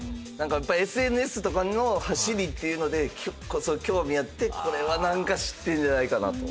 やっぱＳＮＳとかのはしりっていうので興味あってこれはなんか知ってるんじゃないかなと。